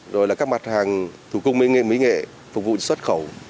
rồi là các mặt hàng thủ công bên mỹ nghệ phục vụ xuất khẩu